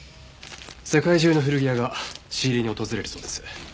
世界中の古着屋が仕入れに訪れるそうです。